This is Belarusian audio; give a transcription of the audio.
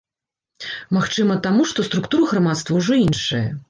Магчыма, таму, што структура грамадства ўжо іншая.